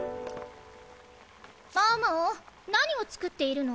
猫猫何を作っているの？